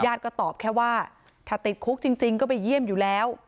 ก็ตอบแค่ว่าถ้าติดคุกจริงก็ไปเยี่ยมอยู่แล้ว